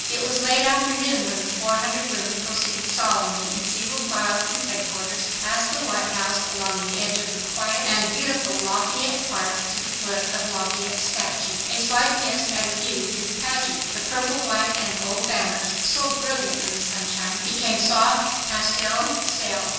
It was late afternoon when the four hundred women proceeded solemnly in single file from headquarters, past the White House, along the edge of the quiet and beautiful Lafayette Park, to the foot of Lafayette's statue. A slight mist added beauty to the pageant. The purple, white and gold banners, so brilliant in the sunshine, became soft pastel sails.